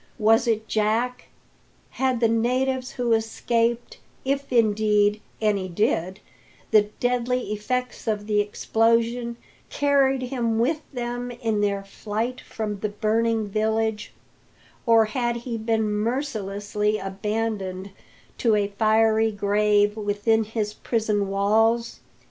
Was it Jack? Had the natives who escaped if, indeed, any did the deadly effects of the explosion, carried him with them in their flight from the burning village, or had he been mercilessly abandoned to a fiery grave within his prison walls?